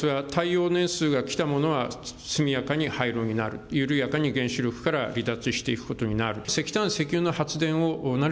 私がいっている脱原発は、耐用年数が来たものは速やかに廃炉になる、緩やかに原子力から離脱していくことになる。